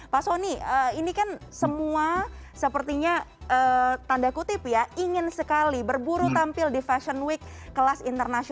pak soni ini kan semua sepertinya tanda kutip ya ingin sekali berburu tampil di fashion week kelas internasional